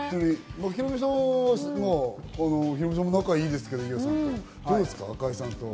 ヒロミさんは仲いいですけど、伊代さんとどうですか？